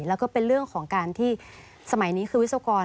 แล้วก็เป็นเรื่องของการที่สมัยนี้คือวิศวกร